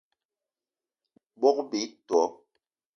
Bogb-ito